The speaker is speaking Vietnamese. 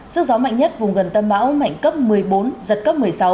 sức gió mạnh nhất vùng gần tâm bão mạnh cấp một mươi bốn giật cấp một mươi sáu